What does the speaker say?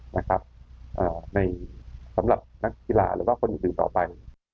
ยางสำหรับนักฬีล่าหรือว่าคนหยุดหยุดต่อไป